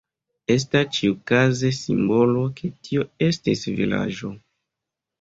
Estas ĉiukaze simbolo, ke tio estis vilaĝo.